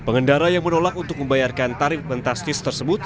pengendara yang menolak untuk membayarkan tarif fantastis tersebut